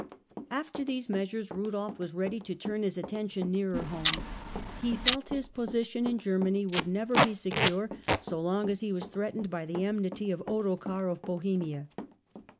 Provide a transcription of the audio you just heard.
After these measures Rudolf was ready to turn his attention nearer home. He felt his position in Germany would never be secure, so long as he was threatened by the enmity of Ottokar of Bohemia.